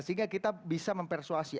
sehingga kita bisa mempersuasi